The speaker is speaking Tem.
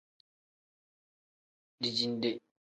Dijinde.